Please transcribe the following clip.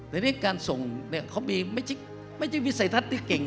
ในการส่งเนี่ยเขาไม่ใช่วิสัยทัศน์ที่เก่ง